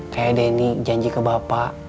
kayak denny janji ke bapak